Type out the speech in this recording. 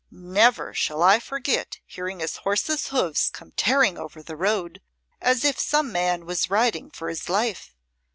Never shall I forget hearing his horse's hoofs come tearing over the road, as if some man was riding for his life.